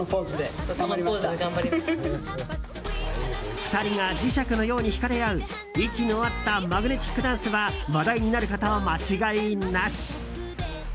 ２人が磁石のように引かれ合う息の合ったマグネティックダンスは話題になること間違いなし。